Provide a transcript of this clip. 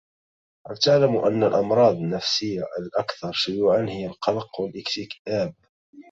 هل تعلم أن الأمراض النفسية الأكثر شيوعاً هي القلق والإكتئاب.